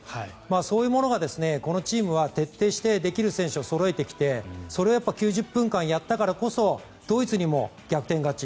そういうものがこのチームは徹底してできる選手をそろえてきてそれを９０分間やったからこそドイツにも逆転勝ち